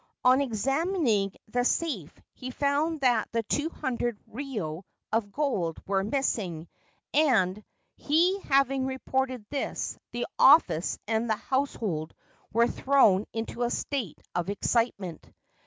On examining the safe, he found that the 200 ryo of gold were missing, and, he having reported this, the office and the household were thrown into a state of excitement.